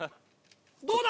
どうだ？